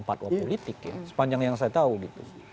patwa politik sepanjang yang saya tahu